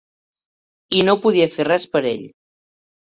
I no podia fer res per ell.